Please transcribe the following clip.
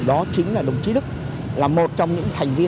đó chính là đồng chí đức là một trong những thành viên